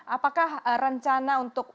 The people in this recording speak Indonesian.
apakah rencana untuk